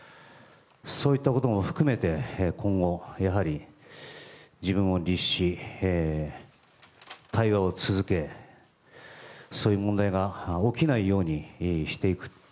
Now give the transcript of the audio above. そういったことも含めて今後、自分を律し対話を続け、そういう問題が起きないようにしていく。